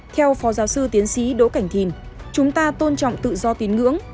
theo phó giáo sư tiến sĩ đỗ cảnh thìn chúng ta tôn trọng tự do tín ngưỡng